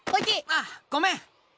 ああごめん。